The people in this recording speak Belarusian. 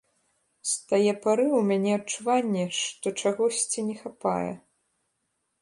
З тае пары ў мяне адчуванне, што чагосьці не хапае.